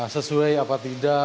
sesuai apa tidak